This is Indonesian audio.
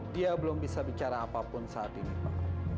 dia belum bisa bicara apapun saat ini pak